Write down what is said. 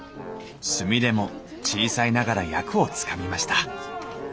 すみれも小さいながら役をつかみました。